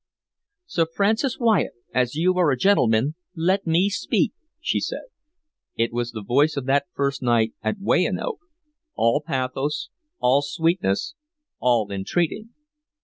"Sir Francis Wyatt, as you are a gentleman, let me speak," she said. It was the voice of that first night at Weyanoke, all pathos, all sweetness, all entreating.